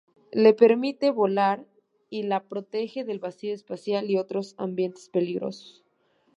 Le permite volar y la protege del vacío espacial y otros ambientes peligrosos.